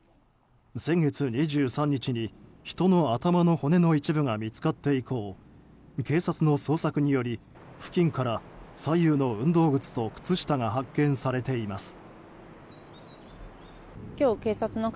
先月２３日に人の頭の骨の一部が見つかって以降警察の捜索により付近から左右の運動靴と靴下が発見されています。